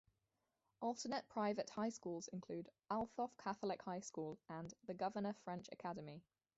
Alternate private high schools include Althoff Catholic High School and The Governor French Academy.